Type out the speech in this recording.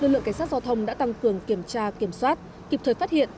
lực lượng cảnh sát giao thông đã tăng cường kiểm tra kiểm soát kịp thời phát hiện